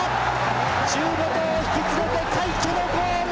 １５頭を引き連れて快挙のゴール！